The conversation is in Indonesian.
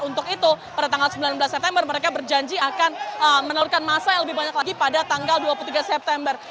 untuk itu pada tanggal sembilan belas september mereka berjanji akan menelurkan masa yang lebih banyak lagi pada tanggal dua puluh tiga september